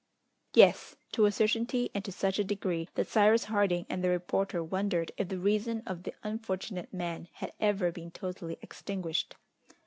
Yes, to a certainty, and to such a degree, that Cyrus Harding and the reporter wondered if the reason of the unfortunate man had ever been totally extinguished.